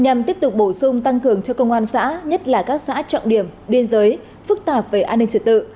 nhằm tiếp tục bổ sung tăng cường cho công an xã nhất là các xã trọng điểm biên giới phức tạp về an ninh trật tự